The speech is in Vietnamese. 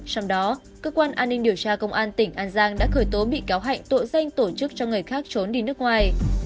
trong đó cơ quan an ninh điều tra công an tỉnh an giang đã khởi tố bị cáo hạnh tội danh tổ chức cho người khác trốn đi nước ngoài